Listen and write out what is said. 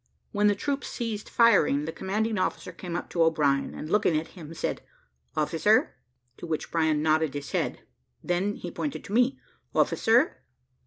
When the troops ceased firing, the commanding officer came up to O'Brien, and looking at him, said, "Officer?" to which O'Brien nodded his head. He then pointed to me "Officer?"